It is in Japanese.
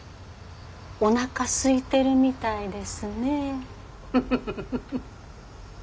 おなかすいてるみたいですね。